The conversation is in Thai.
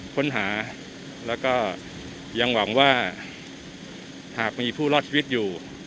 ค้นหาแล้วก็ยังหวังว่าหากมีผู้รอดชีวิตอยู่